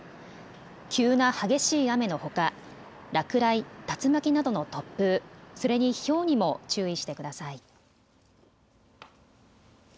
急な激しい雨のほか落雷、竜巻などの突風、それにひょうにも注意してください。